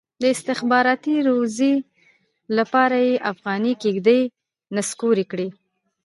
د استخباراتي روزۍ لپاره یې افغاني کېږدۍ نسکورې کړي.